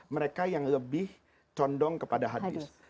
mereka yang lebih condong kepada hadis